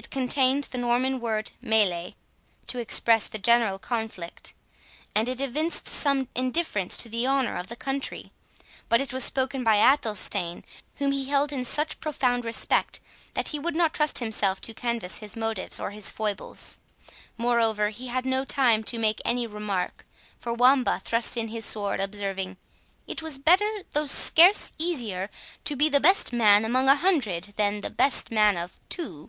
It contained the Norman word "melee", (to express the general conflict,) and it evinced some indifference to the honour of the country; but it was spoken by Athelstane, whom he held in such profound respect, that he would not trust himself to canvass his motives or his foibles. Moreover, he had no time to make any remark, for Wamba thrust in his word, observing, "It was better, though scarce easier, to be the best man among a hundred, than the best man of two."